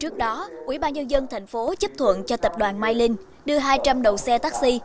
trước đó quỹ ba nhân dân thành phố chấp thuận cho tập đoàn mai linh đưa hai trăm linh đầu xe taxi